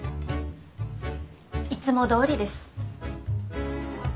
いつもどおりです。